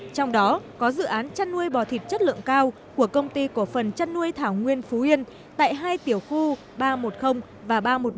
trong đó có dự án chăn nuôi bò thịt chất lượng cao của công ty cổ phần chăn nuôi thảo nguyên phú yên tại hai tiểu khu ba trăm một mươi và ba trăm một mươi bốn